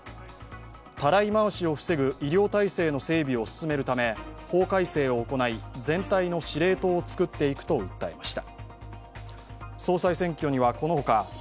たらい回しを防ぐ医療体制の整備を進めるため法改正を行い、全体の司令塔を作っていくと訴えました。